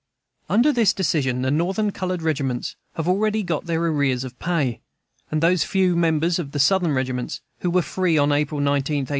Under this decision the Northern colored regiments have already got their arrears of pay, and those few members of the Southern regiments who were free on April 19, 1861.